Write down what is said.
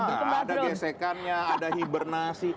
ada gesekannya ada hibernasi